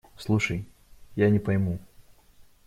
Слушай… Я не пойму.